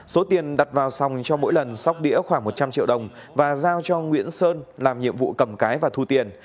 số tiền đặt vào xong cho mỗi lần sóc đĩa khoảng một trăm linh triệu đồng và giao cho nguyễn sơn làm nhiệm vụ cầm cái và thu tiền